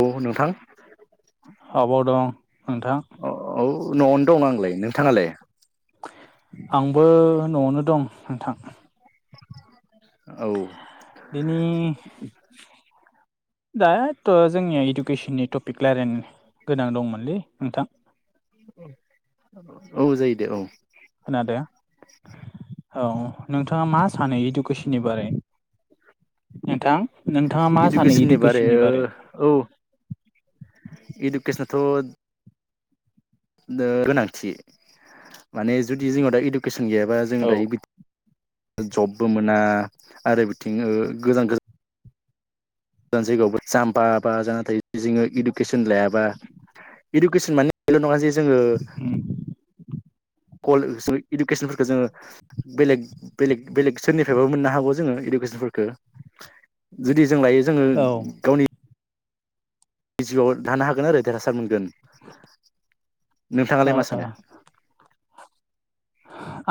औ नोंथां आबाव दं नोंथां औ न'आवनो दं आंलाय नोंथाङालाय आंबो न'आवनो दं नोंथां औ दिनि दाथ' जोंनिया इडुकेसननि टपिक रायलायनो गोनां दंमोनलै नोंथां औ जायो दे औ खोनादो औ नोंथाङा मा सानो इडुकेसननि बारै नोंथां नोंथाङा मा सानो इडुकेसननि बारै औ इडुकेसनाथ' दा गोनांथि माने जुदि जोंनाव दा इडुकेसन गैयाबा जोङो औ दायो बि जबबो मोना आरो बिथिं गोजान गो जान जायगायावबो जाम्फाबा जानाथायो जोंङो इडुकेसन लायाबा इडुकेसन माने बेल' नङा जे जोंङो उम कल इडुकेसनफोरखौ जोंङो बेलेग बेलेग बेलेग सोरनिफ्रायबो मोननो हागौ जोंङो इडुकेसनफोरखौ जुदि जों दायो जोंङो औ ओ गावनि बि जिउआव दानो हागोन ओरो देरहासार मोनगोन नोंथाङालाय मा ओ सानो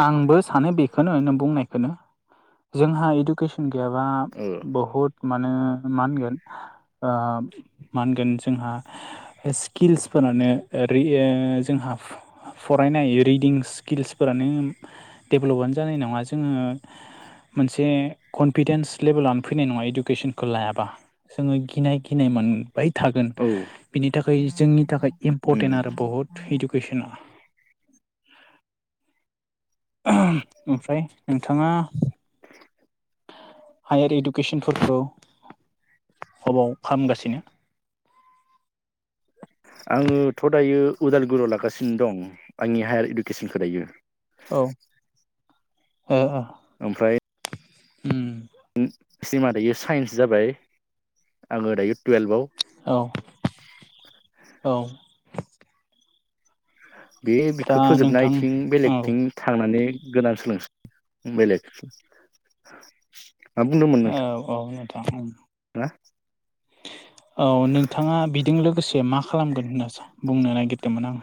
आंबो सानो बेखोनो नों बुंनायखोनो जोंहा इडुकेसन गैयाबा औ बहुद मानो मा होनगोन ओ मा होनगोन जोंहा स्किल्सफोरानो रिओ जोंहाब फरायनाय रिदिं स्किल्सफोरानो डेभलपानो जानाय नङा जोङो मोनसे कनफिदेन्स लेभेलानो फैनाय नङा इडुकेसनखौ लायाबा जोंङो गिनाय गिनाय मोन बाय थागोन औ बिनि थाखाय जोंनि थाखाय इम्परटेन्ट उम आरो बहुद इडुकेसना ओमफ्राय नोंथाङा हायार इडुकेसनफोरखौ हबाव खामगासिनो आङोथ' दायो उदालगुरियाव लागासिनो दं आंनि हायार इडुकेसनखौ दायो। औ ओमफ्राय अम सिमा दायो साइन्स जाबाय आंङो दायो टुयेल्भआव औ औ बे दा बिखो नोंथां फोजोबनायथिं औ बेलेगथिं थांनानै गोनां सोलोंस बेलेग मा औ औ नोंथां औ हो औ नोंथाङा बिदों लोगोसे मा खालामगोन होनना स बुंनो नागिरदोंमोन आं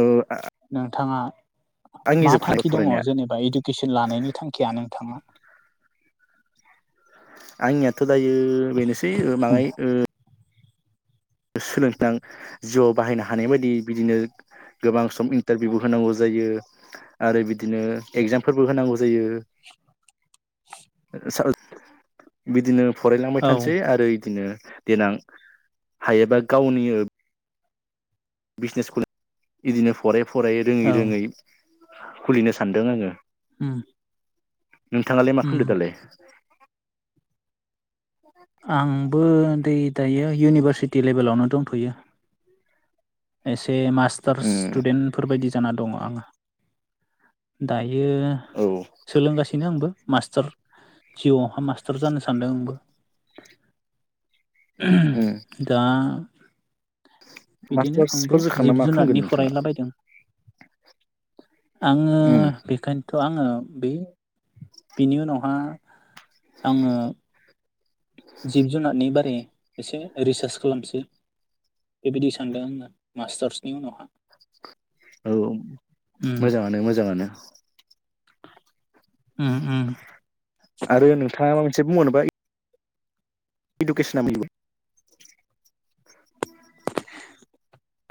ओ आ नोंथाङा मा थांखि दङ फरायनाया जेनेबा इडुकेसन लानायनि थांखिया नोंथाङा आंनियाथ' दायो बेनोसै मांयाइ सोलोंथां जिउआव बाहायनो हानाय बायदि बिदिनो गोबां सम इन्टारभिउबो होनांगौ जायो आरो बिदिनो एगजामफोरबो होनांगौ जायो। [inaudible] बिदिनो फरायलांबाय औ थानोसै आरो इदिनो देनां हायोबा गावनि बिजनेस बिदिनो फरायै फरायै औ रोङै रोङै खुलिनो सानदों आङो अम नोंथाङालाय मा खामदोदालाय आंबो दै दायो इउनिभारसिटि लेभेलावनो दंथ'यो एसे मास्टार स्टुडेन्ट फोरबायदि जाना दङ आङो दायो औ सोलोंगासिनो आंबो मास्टार जिउआवहाय मास्टार जानो सानदों आंबो दा मासट बिदिनो - आंबो जिब जुनारनि फरायलाबायदों आङो बेखायनोथ' आङो बे बिनि उनावहा आङो जिब जुनारनि बारै एसे रिसार्च खालामसै बेबायदि सानदों आङो मास्टार्सनि उनावहा औ उम मोजाङानो मोजाङानो [unintelligible] [unintelligible] आरो नोंथाङा माबा मोनसे बङरोबा इडुकेसनाोबो [unintelligible]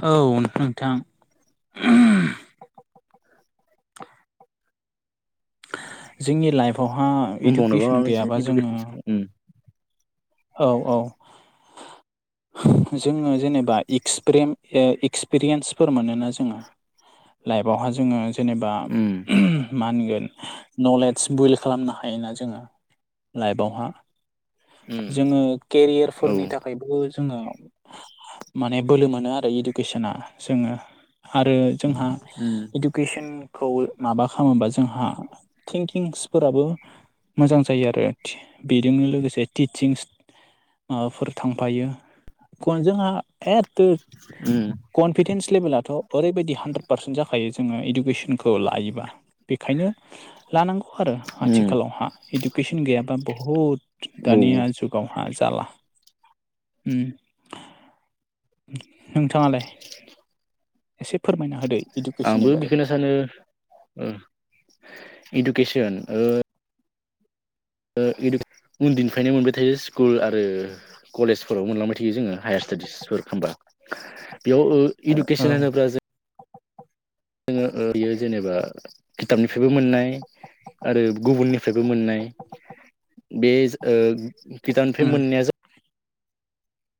औ नोंथां जोंनि लाइफआवहा बुंबावनोबा इडुकेसन माबा मोनसे गैयाबा जोङो इडुकेसननि सायाव उम औ औ जोङो जेनेबा एक्सप्रेम एक्सपिरियेन्सफोर मोनोना जोङो लाइफआवहा जोङो जेनेबा उम मा होनगोन नलेज बिल्ड खालामनो हायोना जोङो लाइफआवहा उम जोङो औ केरियारफोरनि थाखायबो जोङो माने बोलो मोनो आरो इडुकेसना जोङो आरो जोंहा उम इुकेसनखौ माबा खालामोबा जोंहा थिंकिंसफोराबो मोजां जायो आरो बेजोंनो लोगोसे थिंस फोर थांफायो खुन जोंहा एथोद कनफिडेन्स लेभेलाथ' ओरैबायदि हान्द्रेद पार्सेन्ट जाखायो जोङो इडुकेसनखौ लायोबा बेखायनो लानांगौ आरो उम उम आथिखालावहा इडुकेसन गैयाबा बहुद औ दानिया जुगावहा जाला नोंथाङालाय एसे फोरमायना होदो आंबो इडुकेसननि बारै बेखौनो सानो इडुकेसन उन्दैनिफ्रायनो मोनबाय थायो स्कुल आरो कलेजफोराव मोनलांबाय थायो जोङो हायार स्टाडिसफोर खालामोमबा बेयाव औ इडुकेसन होनोब्ला जों जोङो बियो जेनेबा खिथाबनिफ्रायबो मोननाय आरो गुबुननिफ्रायबो मोननाय बे गिटनिफ्राय उम मोननाया ज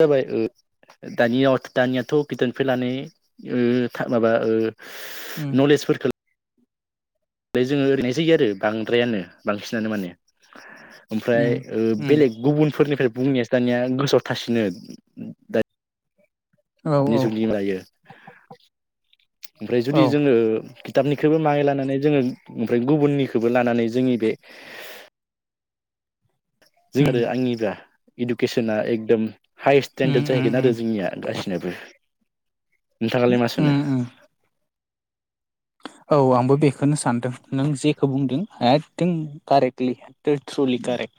जाबाय दानियाव दानियाथ' गोदोनफैनानै माबा उम नलेजफोरखौ ओमफ्राय जोङो ओरैनो जायो आरो बांद्रायानो बांसिनानो माने ओमफ्राय उम उम बेलेग गुबुनफोरनिफ्राय बुंनाययासो दानिया गोजोआव थासिनो द औ औ निसनिमायो ओमफ्राय औ जुदि जोङो दाबनिखौबो माहै लानानै जोङो ओमफ्राय गुबुननिखौबो लानानै जोंनि बे जों उम आरो आंनिबा इडुकेसना एकदम हायस्ट उम स्टेेनडार्ड उम जाहैगोन उम आरो जोंनिया गासिनोबो उम नोंथाङालाय मा सनो उम औ आंबो बेखौनो सानदों नों जेखौ बुंदों एथिं कारेक्टलि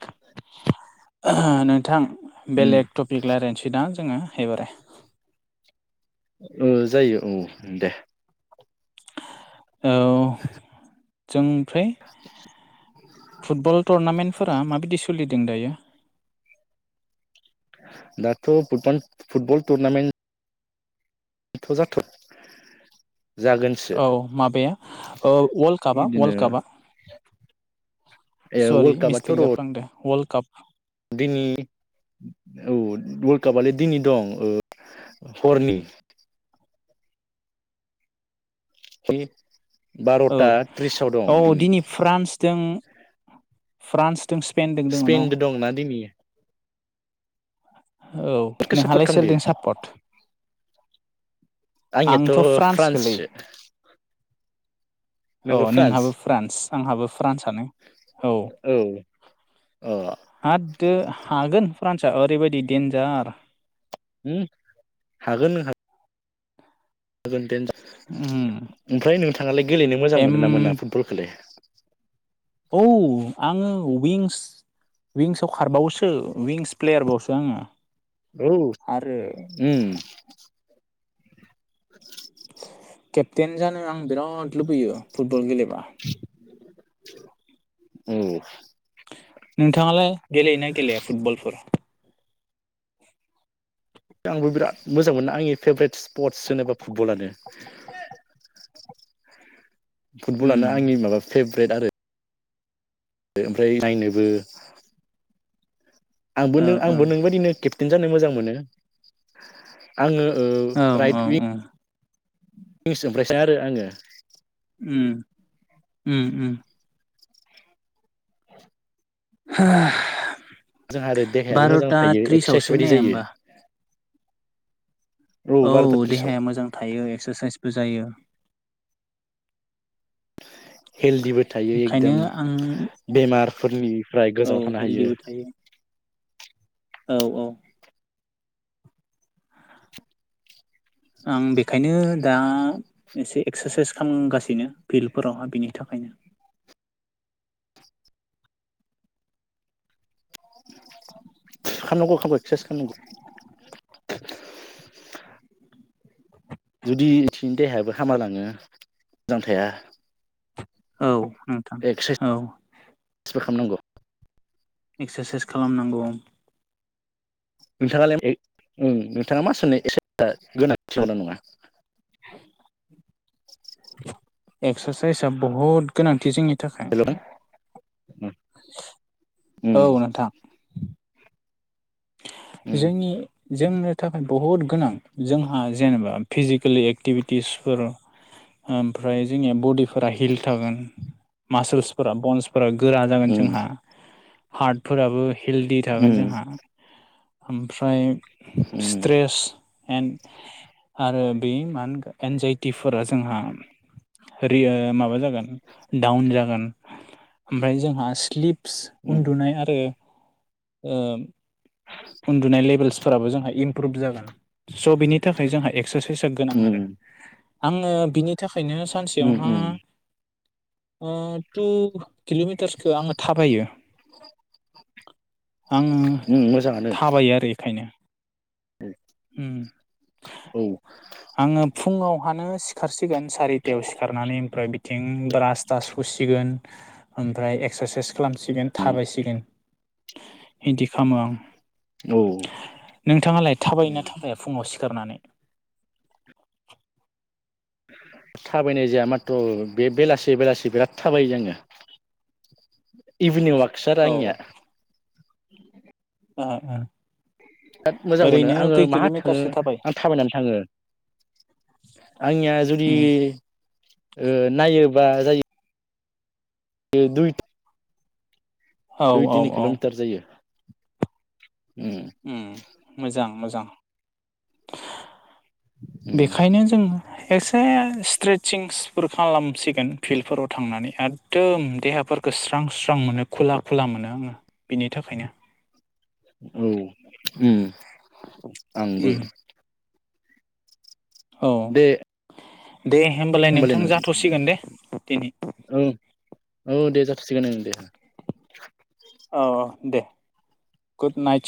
नोंथां उम बेलेग टपिक लायजायनोसै बिदा जोङो हैबाराय जायो औ दे जों ओमफ्राय [unintelligible] फुटबल टुरनामेन्टफोरा माबायदि सोलिदों दायो दाथ' फुटब फुटबल टुरनामेन्ट फजाथ' औ माबाया ओ वालड कापा बिदिनो वाल कापा ए सरि वर्ल्ड कापाथ' मिस्टेक र' जाफ्लांदो वर्ल्ड काप दिनै औ वर्ल्ड कापलाय दिनै दं हरनि ह औ औ दिनै फ्रान्सजों फ्रान्स जों स्पेनदों दङ न' स्पेनजों दंना दिनै औ सोरखौ सापर्ट नोंहालाय खालामदो सोरजों सापर्ट आंनियाथ' आंथ' फ्रान्स गोलै सो अ नोंबो फ्रान्स नोंहाबो फ्रान्स आंहाबो फ्रान्सआनो औ अह होद हागोन फ्रान्सआ ओरैबायदि देन्जार हागोन नोंथां। उम ओमफ्राय नोंथाङालाय गेलेनो मोजां एम मोनो ना मोना फुटबलखौलाय औ आङो विंस विंसाव खारबावोसो विंस प्लेयारबावसो आङो औ। आरो [unintelligible] केप्टेन जानो आं बिराद लुबैयो फुटबल गेलेबा औ नोंथाङालाय गेलेयोना गेलेया फुटबलफोर आंबो बिराद मोजां मोनो आंनि फेभरेट स्पर्टस होनोबा फुटबलानो फुटबलानो उम आंनि माबा फेभरेट आरो ओमफ्राय नायनोबो आंबो ओ नों आंबो नोंबायदिनो केप्टेन जानो मोजां मोनो आङो ओ औ राइद औ उइक औ निस ओमफ्रायसो आरो आङो उम उम उम जोंहा आरो देहायाबो मोजां बार'था थायो एक्सारसाइस थ्रिसावसो बायदि ने जायो होमबा औ बार'था त्रिसाव देहाया मोजां थायो एक्सारसाइसबो जायो हेलदिबो थायो ओंखायनो एकदम आं बेमारफोरनिफ्राय औ गोजानाव थानो हायो हेल्दिबो थायो औ औ आं बेखायनो दा एसे एक्सारसाइस खालामगासिनो फिल्डफोराव बिनि थाखायनो खारनांगौ खालामनांगौ। जुदि एसेंनि देहायाबो हामानाङो मोजां थाया औ। औ एक्सारसाइसबो खालामनांगौ। एक्सारसाइस खालामनांगौ। नोंथाङालाय नोंथाङा मा सानो एसे गोनांथि नगौना नङा? एक्सारसाइसआ बहुद गोनांथि जोंनि थाखाय हेलौ उम [unintelligible] औ नोंथां। उम जोंनि जोंनो थाखाय बहुद गोनां जोंहा जेनेबा फिजिकेेल एक्टिभिटिसफोर ओमफ्राय जोंनिया बडिफोरा हिल थागोन। मासोल्सफोरा बन्स फोर गोरा जागोन उम जोंहा हार्टफोराबो हेल्दि थागोन उम जोंहा। ओमफ्राय उम स्ट्रेस एन आरो बे मा होनगोन एनजाइटिफोरा जोंहा रिया माबा जागोन डाउन जागोन। ओमफाय जोंहा स्लिपस उन्दुनाय आरो ओ उन्दुनाय लेभेल्सफोराबो जोंहा इमप्रुभ जागोन स' बिनि थाखाय जोंहा एक्सारसाइसआ गोनां उम आरो। आङो बिनि थाखायनो उम सानसेयावहा उम अह थु किल'मिटार्सखो आङो थाबायो आङो ओम मोजाङानो। थाबायो आरो एखायनो। उम। औ। आङो फुङावहानो सिखारसिगोन सारिथायाव सि खारनानै ओमफ्राय बिथिं ब्रास थास हुसिगोन ओमफ्राय एक्सारसाइस खालामसिगोन थाबायसिगोन बिदि खामो आं। औ। नोंथाङालाय थाबाय ना उम थाबाया फुङाव सिखारनानै? थाबायनाय जाया माथ्र' बे बेलासे बेलासे बिराद थाबायो जोङो। [inaudible] इभिनिं वाकसार औ आंनिया। ओ ओ ओ। बिराद मोजां मोनो ओरैनो आङो खै माहा थाङो किल'मिटारसो थाबाय आं थाबायनानै थाङो। आंनिया जुदि उम ओ नायोबा जायो ओ दुइ, औ दुइ औ तिनि औ किल'मिटार जायो। उम। ओम मोजां मोजां उम बेखायनो जों एसे स्ट्रेसिंसफोर खालामसिगोन फिल्डफोराव थांनानै आर दोम देहाफोरखौ स्रां स्रां मोनो खुला खुला मोनो आङो बेनि थाखायनो। औ ओम आंबो। उम औ दे दे होमबालाय नोंथां जाथ'सिगोन दे दिनै। औ औ दे जाथ'सिगोन ओं दे। औ औ दे गुद नाइट।